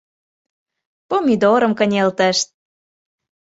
Помидорым кынелтышт